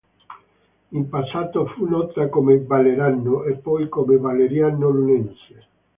In passato fu nota come "Vallerano", e poi come Valeriano Lunense.